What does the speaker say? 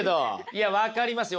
いや分かりますよ。